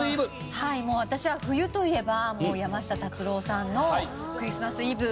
はいもう私は冬といえば山下達郎さんの「クリスマス・イヴ」。